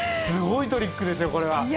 すごいトリックですよこれは。